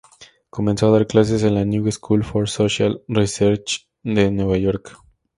Comenzó a dar clases en la New School for Social Research de Nueva York.